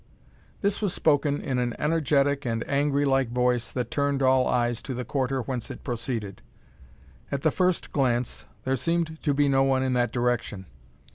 This was spoken in an energetic and angry like voice, that turned all eyes to the quarter whence it proceeded. At the first glance, there seemed to be no one in that direction.